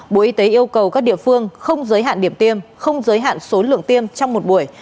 bộ y tế yêu cầu các địa phương không giới hạn điểm tiêm không giới hạn số lượng tiêm trong một buổi